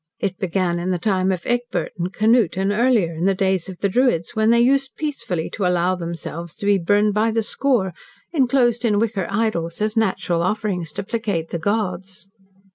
It began in the time of Egbert and Canute, and earlier, in the days of the Druids, when they used peacefully to allow themselves to be burned by the score, enclosed in wicker idols, as natural offerings to placate the gods.